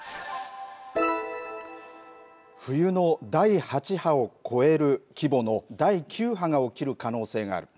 冬の第８波を超える規模の第９波が起きる可能性がある。